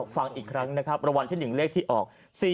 ฟังอีกครั้งนะครับรวรรณที่๑เลขที่ออก๔๘๔๖๖๙